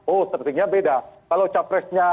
oh servingnya beda kalau capresnya